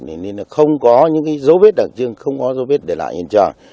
nên là không có những cái dấu vết đặc trưng không có dấu vết để lại hiện trường